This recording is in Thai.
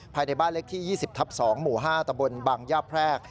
ภายในบ้านเล็กที่๒๐ทับ๒หมู่๕ตะบนบังย่าแพรก